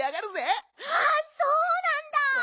あそうなんだ！